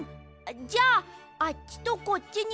じゃああっちとこっちにひろがって。